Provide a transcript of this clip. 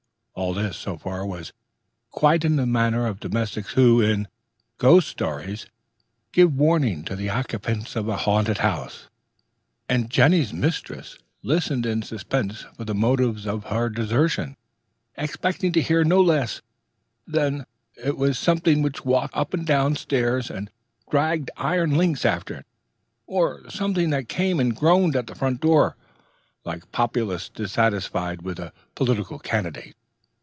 All this, so far, was quite in the manner of domestics who, in ghost stories, give warning to the occupants of haunted houses; and Jenny's mistress listened in suspense for the motive of her desertion, expecting to hear no less than that it was something which walked up and down the stairs and dragged iron links after it, or something that came and groaned at the front door, like populace dissatisfied with a political candidate.